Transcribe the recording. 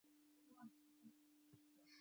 هابسبورګ یوازینی دولت نه و چې مخالف و.